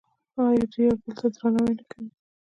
آیا دوی یو بل ته درناوی نه کوي؟